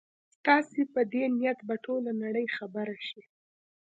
ستاسي په دې نیت به ټوله نړۍ خبره شي.